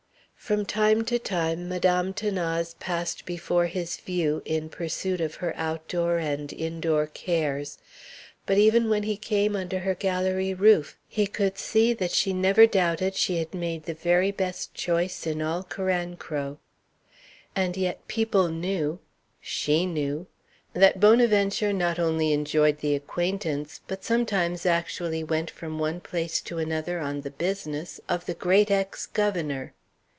From time to time Madame 'Thanase passed before his view in pursuit of her outdoor and indoor cares. But even when he came under her galérie roof he could see that she never doubted she had made the very best choice in all Carancro. And yet people knew she knew that Bonaventure not only enjoyed the acquaintance, but sometimes actually went from one place to another on the business, of the great ex governor.